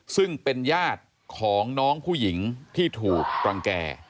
ซึ่งเป็นญาติของน้องผู้หญิงที่ถูกรังแก่